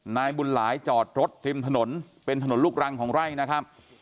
นายบุญหลายจอดรถริมถนนเป็นถนนลูกรังของไร่นะครับ